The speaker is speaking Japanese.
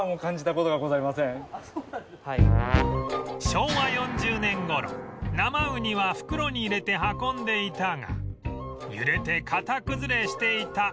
昭和４０年頃生ウニは袋に入れて運んでいたが揺れて型崩れしていた